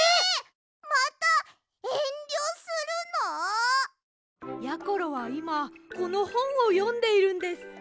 またえんりょするの？やころはいまこのほんをよんでいるんです。